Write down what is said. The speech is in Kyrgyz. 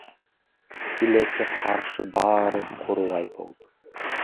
Тилекке каршы баары курулай болду.